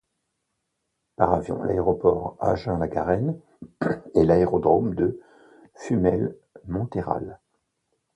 Par avion, l’aéroport Agen-La Garenne et l’aérodrome de Fumel - Montayral.